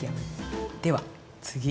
では次。